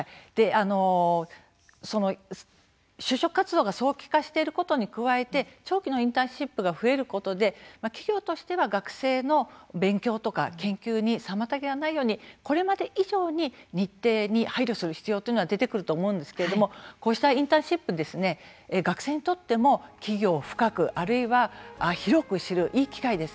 就職活動が早期化になっていること加えて長期のインターンシップが増えることで企業としては学生の勉強や研究に影響がないようにこれまで以上に日程を配慮することが求められますがこうしたインターンシップ学生にとっても企業を広く知るいい機会です。